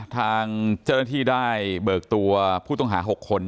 ทางเจ้าหน้าที่ได้เบิกตัวผู้ต้องหา๖คน